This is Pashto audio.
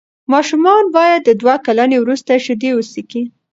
ماشومان باید د دوه کلنۍ وروسته شیدې وڅښي.